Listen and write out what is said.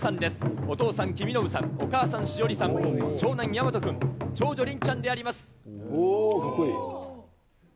お父さん、きみのぶさん、お母さん、しおりさん、長男、やまと君、長女、りんちゃんであります。